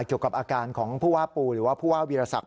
เกี่ยวกับอาการของผู้ว่าปูหรือว่าผู้ว่าวีรศักดิ